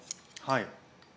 はい。